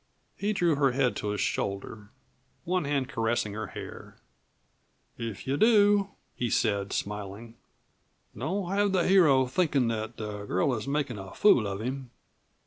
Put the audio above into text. He drew her head to his shoulder, one hand caressing her hair. "If you do," he said smiling, "don't have the hero thinkin' that the girl is makin' a fool of him."